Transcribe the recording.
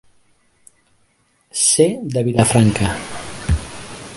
Ser de Vilafranca.